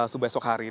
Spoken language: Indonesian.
subuh besok hari